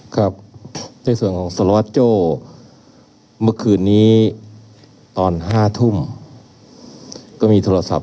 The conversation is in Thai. ครับในส่วนของสารวัตรโจ้เมื่อคืนนี้ตอน๕ทุ่มก็มีโทรศัพท์